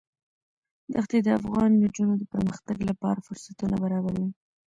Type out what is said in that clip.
ښتې د افغان نجونو د پرمختګ لپاره فرصتونه برابروي.